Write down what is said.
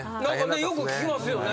よく聞きますよね。